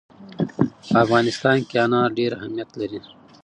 په افغانستان کې انار ډېر اهمیت لري.